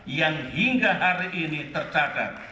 yang hingga hari ini tercatat